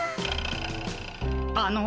あの。